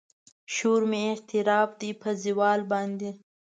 شور مې اعتراف دی په زوال باندې